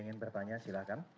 ingin bertanya silakan